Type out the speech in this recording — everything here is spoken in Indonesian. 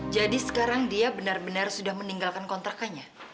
jadi sekarang dia benar benar sudah meninggalkan kontrakannya